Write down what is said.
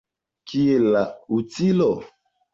Kie la utilo?